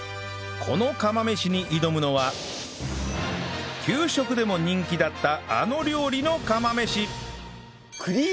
この釜飯に挑むのは給食でも人気だったあの料理の釜飯